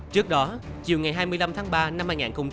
trước đó chiều ngày hai mươi năm tháng ba năm hai nghìn hai mươi